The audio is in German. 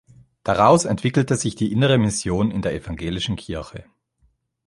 Daraus entwickelte sich die Innere Mission in der evangelischen Kirche.